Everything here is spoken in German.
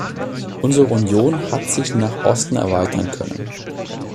Unsere Union hat sich nach Osten erweitern können.